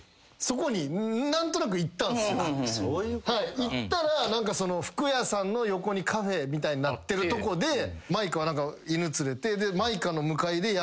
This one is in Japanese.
行ったら服屋さんの横にカフェみたいになってるとこで舞香は犬連れて。